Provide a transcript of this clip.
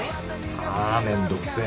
ああ面倒くせえ。